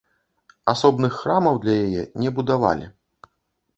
Асобных храмаў для яе не будавалі.